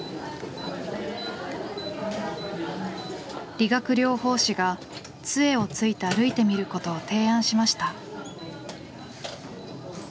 理学療法士が杖をついて歩いてみることを提案しました。